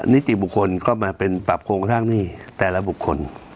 นิติบุคคลก็มาเป็นปรับโครงสร้างหนี้แต่ละบุคคล